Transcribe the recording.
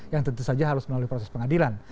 yang tentu saja harus melalui proses pengadilan